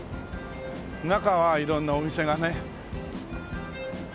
中は色んなお店がね。